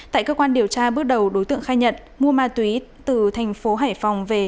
tại cơ quan điều tra bước đầu đối tượng khai nhận mua ma túy từ thành phố hải phòng về